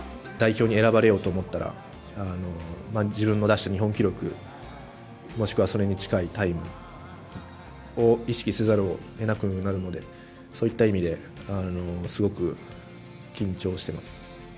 代表に選ばれようと思ったら、自分の出した日本記録、もしくはそれに近いタイムを意識せざるをえなくなるので、そういった意味ですごく緊張してます。